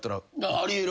あり得る。